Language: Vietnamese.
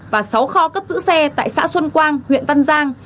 và sáu kho cất giữ xe tại xã xuân quang huyện văn giang